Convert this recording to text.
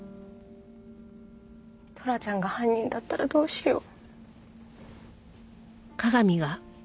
トラちゃんが犯人だったらどうしよう。